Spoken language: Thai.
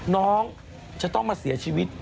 น้องจะต้องมาเสียชีวิต